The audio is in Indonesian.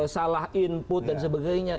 salah input dan sebagainya